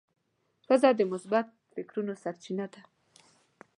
ښځه د مثبت فکرونو سرچینه ده.